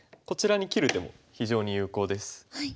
こちらに切る手も非常に有効です。